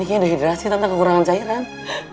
ini kayaknya udah hidrasi tante kekurangan cairan